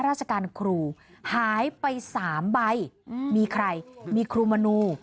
ราชการครูหายไป๓ใบมีใครมีครูมนู